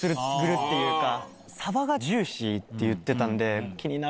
サバがジューシーって言ってたんで。